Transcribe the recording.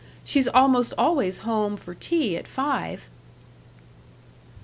She's almost always home for tea at five."